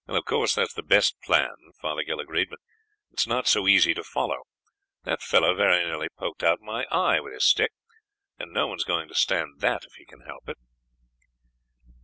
"Of course, that's the best plan," Fothergill agreed, "but it's not so easy to follow. That fellow very nearly poked out my eye with his stick, and no one's going to stand that if he can help it."